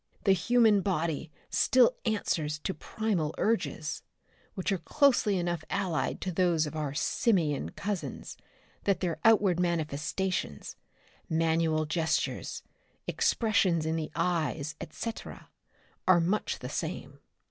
"The human body still answers to primal urges, which are closely enough allied to those of our simian cousins that their outward manifestations manual gestures, expressions in the eyes et cetera are much the same.